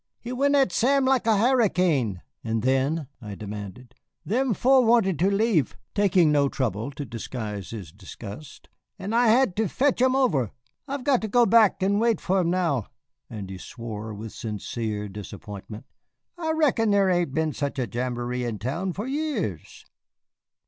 He went at Sam just like a harricane." "And then?" I demanded. "Them four wanted to leave," said Jake, taking no trouble to disguise his disgust, "and I had to fetch 'em over. I've got to go back and wait for 'em now," and he swore with sincere disappointment. "I reckon there ain't been such a jamboree in town for years."